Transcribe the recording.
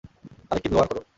Collective lower করো।